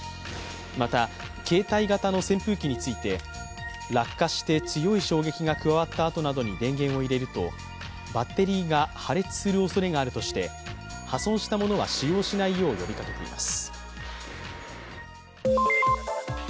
また、携帯型の扇風機について落下して強い衝撃が加わったあとに、電源を入れると、バッテリーが破裂するおそれがあるとして破損したものは使用しないよう呼びかけています。